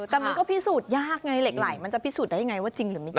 แต่มันก็พิสูจน์ยากไงเหล็กไหลมันจะพิสูจน์ได้ยังไงว่าจริงหรือไม่จริง